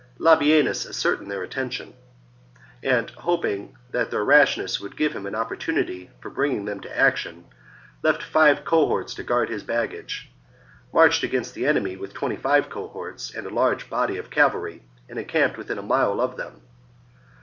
Labienus ascertained their intention, and, hoping that their rashness would give him an opportunity for bringing them to action, left five cohorts to guard his baggage, marched against VI IN NORTH EASTERN GAUL 175 the enemy with twenty five cohorts and a large 53 b.c. body of cavalry, and encamped within a mile of them.